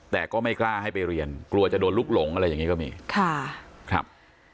แต่ก็ไม่กล้าให้ไปเรียนกลัวจะโดนลุกหลงอะไรอย่างนี้ก็มีค่ะครับ